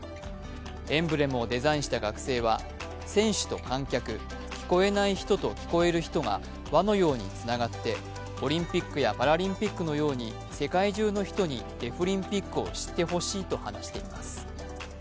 エンブレムをデザインした学生は選手と観客、聞こえる人が輪のようにつながってオリンピックやパラリンピックのように世界中の人にデフリンピックを知ってほしいと話しています。